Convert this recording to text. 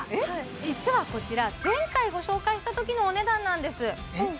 実はこちら前回ご紹介したときのお値段なんですえっ？